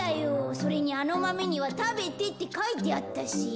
それにあのマメには「食べて」ってかいてあったし。